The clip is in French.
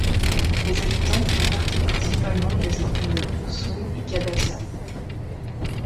Les habitants font partie principalement des ethnies Dusun et Kadasan.